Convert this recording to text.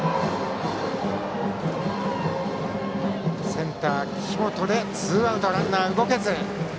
センター、紀本でツーアウトランナー動けず。